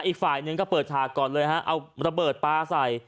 อีกฝ่ายหนึ่งก็เปิดฉากก่อนเลยฮะเอาระเบิดปลาใส่